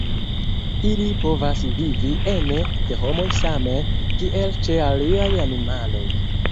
Ili povas vivi ene de homoj same kiel ĉe aliaj animaloj.